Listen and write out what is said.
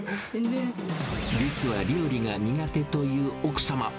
実は料理が苦手という奥様。